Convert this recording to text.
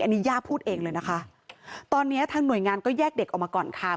อันนี้ย่าพูดเองเลยนะคะตอนนี้ทางหน่วยงานก็แยกเด็กออกมาก่อนค่ะ